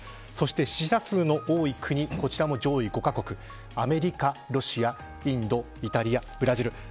そして、死者数の多い国こちら上位５か国アメリカ、ロシア、インドイタリア、ブラジル